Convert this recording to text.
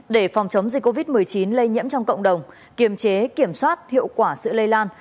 để phòng chống dịch covid một mươi chín lây nhiễm trong cộng đồng kiềm chế kiểm soát hiệu quả sự lây lan